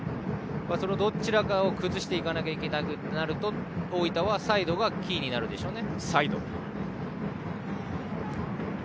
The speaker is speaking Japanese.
そのどちらかを崩していかなきゃいけないとなると大分はサイドがキーになりますね。